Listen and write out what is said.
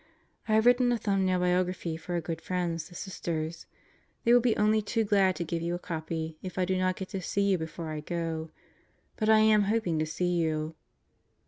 I have written a thumbnail biography for our good friends, the Sisters. They will be only too glad to give Christmas Gifts 143 you a copy if I do not get to see you before I go. But I am hoping to see you.